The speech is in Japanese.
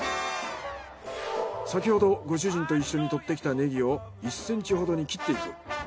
先ほどご主人と一緒に採ってきたネギを１センチほどに切っていく。